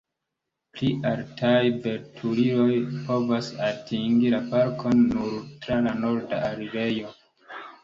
Pli altaj veturiloj povas atingi la parkon nur tra la norda alirejo.